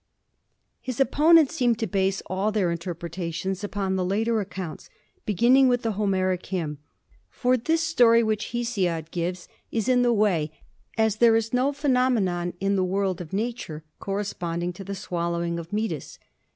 His opponents seem to base all their interpretations upon the later accounts, beginning with the Homeric hymn, for this story which Hesiod gives is in the way as there is no phenomenon in the world of nature corresponding to the swallowing of Metis.